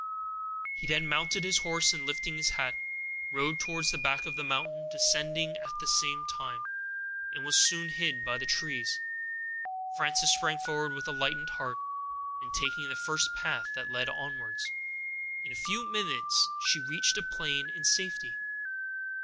He then mounted his horse, and lifting his hat, rode towards the back of the mountain, descending at the same time, and was soon hid by the trees. Frances sprang forward with a lightened heart, and taking the first path that led downwards, in a few minutes she reached the plain in safety.